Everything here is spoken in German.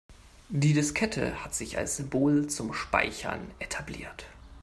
Die Diskette hat sich als Symbol zum Speichern etabliert.